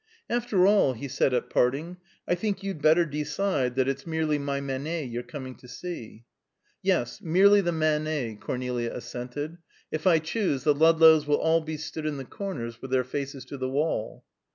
"After all," he said at parting, "I think you'd better decide that it's merely my Manet you're coming to see." "Yes, merely the Manet," Cornelia assented. "If I choose, the Ludlows will all be stood in the corners with their faces to the wall."